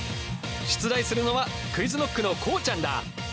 出題するのはＱｕｉｚＫｎｏｃｋのこうちゃんだ！